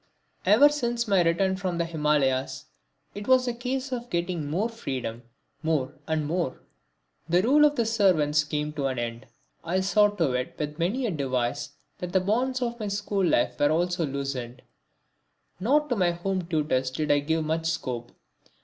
Ever since my return from the Himalayas it was a case of my getting more freedom, more and more. The rule of the servants came to an end; I saw to it with many a device that the bonds of my school life were also loosened; nor to my home tutors did I give much scope.